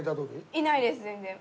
いないです全然。